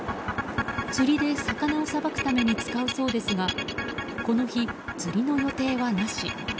釣りで魚をさばくために使うそうですがこの日、釣りの予定はなし。